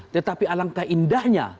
tetapi alangkah indahnya